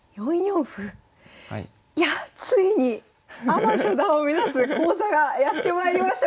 いやついにアマ初段を目指す講座がやってまいりました